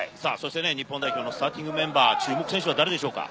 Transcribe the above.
日本代表、スターティングメンバー、注目選手は誰ですか？